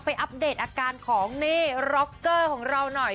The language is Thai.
อัปเดตอาการของเน่ร็อกเกอร์ของเราหน่อย